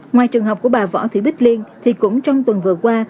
ngoài trường hợp của bà võ thị bích liên thì cũng trong tuần vừa qua